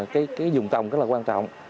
cái dùng trồng rất là quan trọng